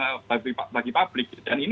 khusus yang dibentuk oleh kapolri